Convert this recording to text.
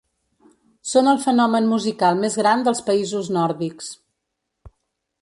Són el fenomen musical més gran dels països nòrdics.